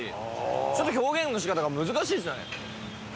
ちょっと表現の仕方が難しいですよね。